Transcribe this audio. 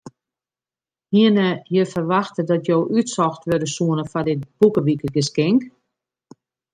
Hiene je ferwachte dat jo útsocht wurde soene foar dit boekewikegeskink?